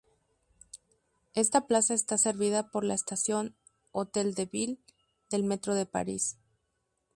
Esta plaza está servida por la estación "Hôtel de Ville" del Metro de París.